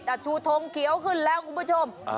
แต่ชูทงเขียวขึ้นแล้วคุณผู้ชม